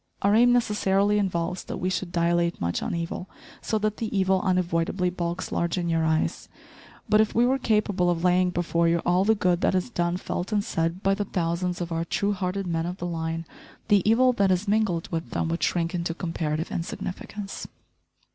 Our aim necessarily involves that we should dilate much on evil, so that the evil unavoidably bulks large in your eyes; but if we were capable of laying before you all the good that is done, felt and said by the thousands of our true hearted men of the line, the evil that is mingled with them would shrink into comparative insignificance.